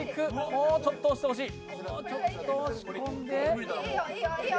もうちょっと押してほしい。